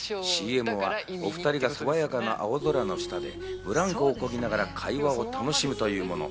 ＣＭは、お２人がさわやかな青空の下でブランコを漕ぎながら会話を楽しむというもの。